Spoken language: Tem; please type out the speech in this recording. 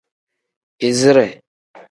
Izire.